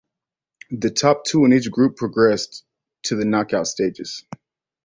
The top two in each group progressed to the knockout stages.